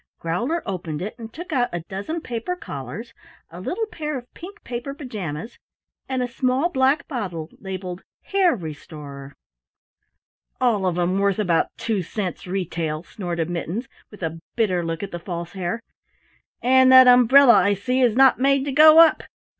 Growler opened it and took out a dozen paper collars, a little pair of pink paper pajamas, and a small black bottle labeled "Hare Restorer." "All of 'em worth about two cents retail," snorted Mittens with a bitter look at the False Hare. "And that umbrella, I see, is not made to go up!